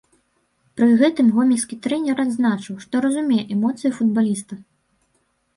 Пры гэтым гомельскі трэнер адзначыў, што разумее эмоцыі футбаліста.